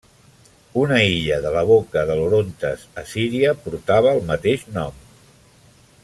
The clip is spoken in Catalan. Una illa de la boca de l'Orontes, a Síria, portava el mateix nom.